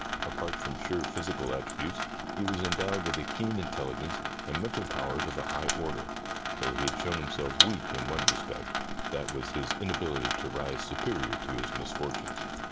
Apart from sheer physical attributes he was endowed with a keen intelligence and mental powers of a high order, though he had shown himself weak in one respect — that was in his inability to rise superior to his misfortunes.